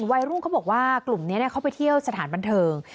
วัยรุ่นเขาบอกว่ากลุ่มนี้เขาไปเที่ยวสถานบันเทิง